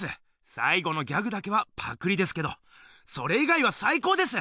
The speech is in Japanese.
さいごのギャグだけはパクリですけどそれ以外はさいこうです！